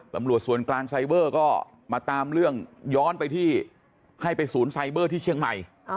ตำรวจส่วนกลางไซเบอร์ก็มาตามเรื่องย้อนไปที่ให้ไปศูนย์ไซเบอร์ที่เชียงใหม่